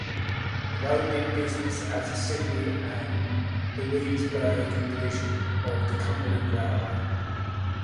The road did business as the Sydney and Louisburg Division of the Cumberland Railway.